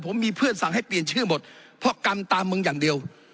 ผมมีเพื่อนสั่งให้เปลี่ยนชื่อหมดเพราะกรรมตามมึงอย่างเดียว